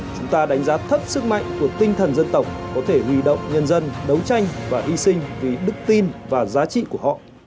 chúng ta đánh giá thấp sức mạnh của tinh thần dân tộc có thể huy động nhân dân đấu tranh và hy sinh vì đức tin và giá trị của họ